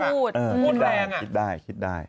พูดแรงอ่ะคิดได้คิดได้